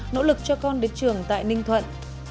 nỗ lực cho con đến trường tại ninh thuận